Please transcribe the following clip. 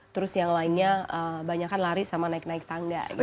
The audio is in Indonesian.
terus yang lainnya banyak kan lari sama naik naik tangga gitu